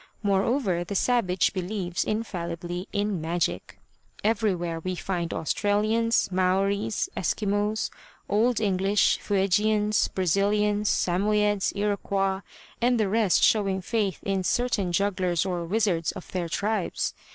Moreover, the savage believes infallibly in magic. Everywhere we find Australians, Maoris, Eskimos, old Irish, Fuegians, Brazilians, Samoyeds, Iroquois and the rest showing faith in certain jugglers or wizards of their tribes.